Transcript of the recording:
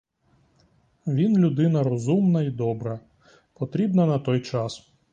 Він людина розумна й добра, потрібна на той час.